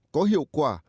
có hiệu quả